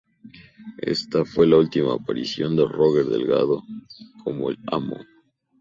Esta fue la última aparición de Roger Delgado como el Amo.